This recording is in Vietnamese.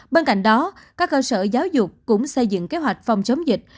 bên cạnh đó các cơ sở giáo dục cũng xây dựng kế hoạch phòng chống dịch